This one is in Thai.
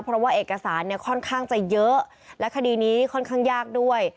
เพราะว่าเอกสารเนี่ยค่อนข้างจะเยอะและคดีนี้ค่อนข้างยากด้วย